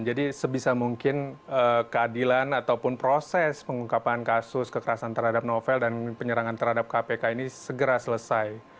jadi sebisa mungkin keadilan ataupun proses pengungkapan kasus kekerasan terhadap novel dan penyerangan terhadap kpk ini segera selesai